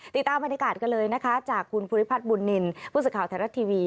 ติดตามบรรยากาศกันเลยนะคะจากคุณภูริพัฒน์บุญนินผู้สื่อข่าวไทยรัฐทีวี